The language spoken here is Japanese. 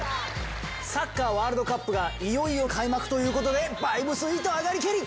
サッカーワールドカップがいよいよ開幕ということでバイブスいと上がりけり！